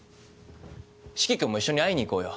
四鬼君も一緒に会いに行こうよ。